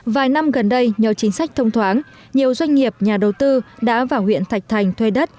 vài năm gần đây nhờ chính sách thông thoáng nhiều doanh nghiệp nhà đầu tư đã vào huyện thạch thành thuê đất